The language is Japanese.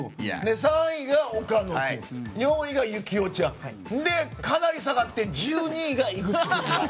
３位が岡野君４位が、行雄ちゃん。で、かなり下がって１２位が井口君。